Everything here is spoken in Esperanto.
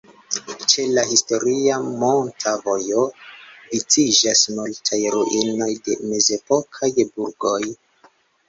Ĉe la historia "monta vojo" viciĝas multaj ruinoj de mezepokaj burgoj.